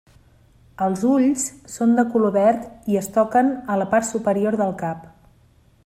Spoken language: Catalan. Els ulls són de color verd i es toquen a la part superior del cap.